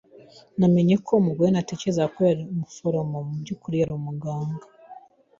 Namenye ko umugore natekerezaga ko ari umuforomo mubyukuri yari umuganga.